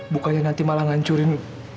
bukannya nanti malah ngancurin